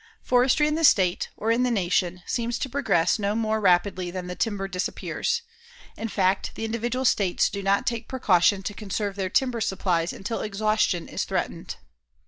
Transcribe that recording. Forestry in the state, or in the nation, seems to progress no more rapidly than the timber disappears; in fact, the individual states do not take precaution to conserve their timber supplies until exhaustion is threatened.